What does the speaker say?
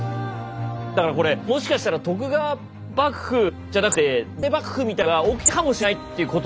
だからこれもしかしたら徳川幕府じゃなくて伊達幕府みたいなことが起きてたかもしれないっていうこと？